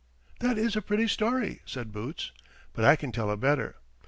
"That is a pretty story!" said Boots; "but I can tell a better.